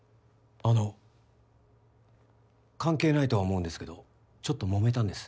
あの関係ないとは思うんですけどちょっともめたんです。